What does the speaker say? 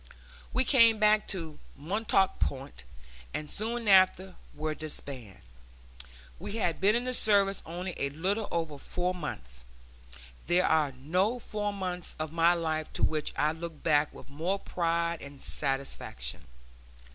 We came back to Montauk Point and soon after were disbanded. We had been in the service only a little over four months. There are no four months of my life to which I look back with more pride and satisfaction.